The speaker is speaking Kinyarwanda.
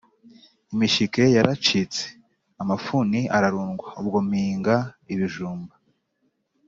Imishike yaracitse Amafuni ararundwa, Ubwo mpinga ibijumba,